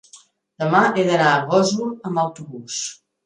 demà he d'anar a Gósol amb autobús.